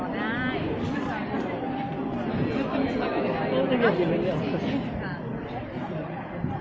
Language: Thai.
เวลาแรกพี่เห็นแวว